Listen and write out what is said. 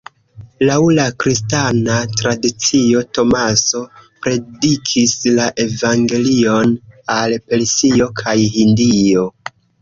Laŭ la kristana tradicio, Tomaso predikis la evangelion al Persio kaj Hindio.